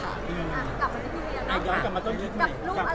กลับไปกับพี่เวียแล้วค่ะกับรูปอะไรต่างที่เราตั้งใจเนี่ย